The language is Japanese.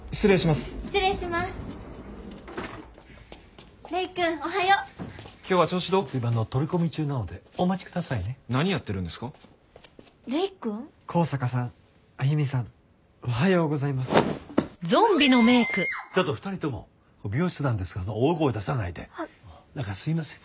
すいません。